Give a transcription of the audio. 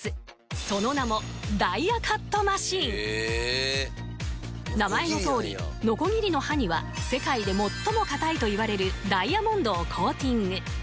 その名も名前のとおりノコギリの刃には世界で最も硬いといわれるダイヤモンドをコーティング